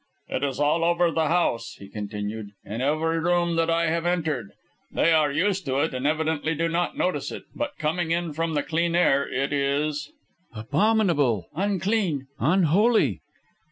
"It is all over the house," he continued, "in every room that I have entered. They are used to it, and evidently do not notice it, but coming in from the clean air, it is " "Abominable, unclean unholy!"